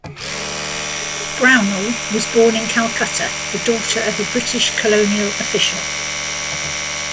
Brownell was born in Calcutta, the daughter of a British colonial official.